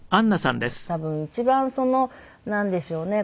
もう多分一番そのなんでしょうね